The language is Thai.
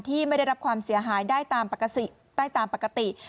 ที่ไม่ได้รับความเสียหายได้ตามปกติ